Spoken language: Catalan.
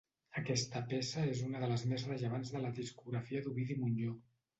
Aquesta peça és una de les més rellevants de la discografia d'Ovidi Montllor.